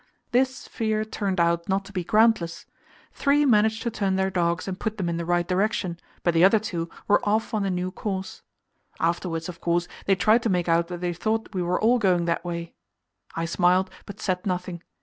This fear turned out not to be groundless; three managed to turn their dogs and put them in the right direction, but the other two were off on the new course. Afterwards, of course, they tried to make out that they thought we were all going that way. I smiled, but said nothing.